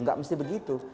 gak mesti begitu